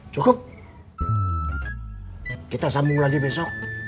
cukup kita sambung lagi besok